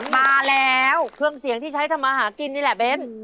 มาแล้วเครื่องเสียงที่ใช้ทำมาหากินนี่แหละเบ้น